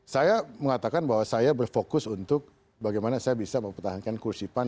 saya mengatakan bahwa saya berfokus untuk bagaimana saya bisa mempertahankan kursipan di dalam kursipan